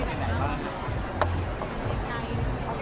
พี่เอ็มเค้าเป็นระบองโรงงานหรือเปลี่ยนไงครับ